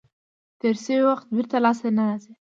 تیر شوی وخت بېرته لاس ته نه راځي.